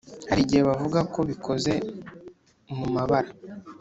Hari igihe bavuga ko bikoze mu mabara